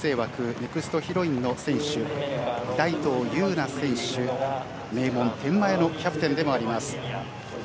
ネクストヒロインの選手大東優菜選手、名門・天満屋のキャプテンでもあります。